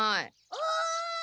・おい！